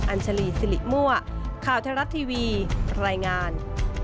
อัญชลีสิริมั่วข่าวไทยรัฐทีวีรายงาน